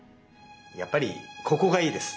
やっぱりここがいいです。